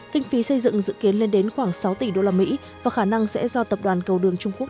kinh phí xây dựng dự kiến lên đến khoảng sáu tỷ usd và khả năng sẽ do tập đoàn cầu đường trung quốc